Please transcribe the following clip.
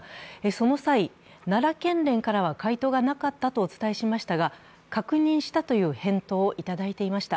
その際、奈良県連からは回答がなかったとお伝えしましたが、確認したという返答をいただいていました。